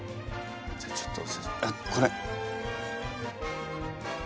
じゃあちょっと。